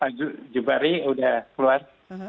pak zubairi sudah keluar